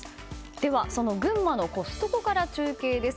では、その群馬のコストコから中継です。